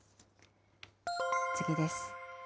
次です。